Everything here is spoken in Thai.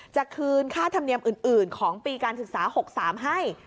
จะคืนค่าธรรมเนียมอื่นของปีการศึกษา๖๓ให้